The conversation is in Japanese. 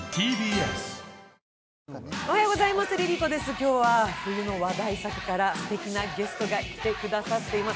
今日は冬の話題作からすてきなゲストが来てくださっています。